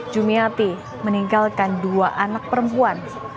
jumiati meninggalkan dua anak perempuan